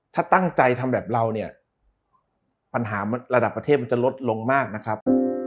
ถ้าตั้งใจทำแบบเราเนี่ยปัญหาระดับประเทศมันจะลดลงมากนะครับ